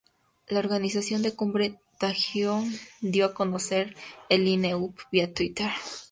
La organización de Cumbre Tajín dio a conocer el line-up vía Twitter.